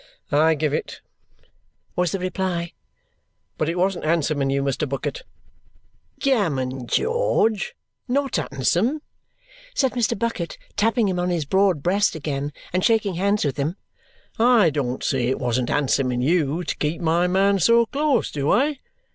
"I give it," was the reply. "But it wasn't handsome in you, Mr. Bucket." "Gammon, George! Not handsome?" said Mr. Bucket, tapping him on his broad breast again and shaking hands with him. "I don't say it wasn't handsome in you to keep my man so close, do I?